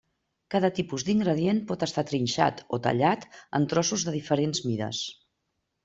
Cada tipus d'ingredient pot estar trinxat o tallat en trossos de diferents mides.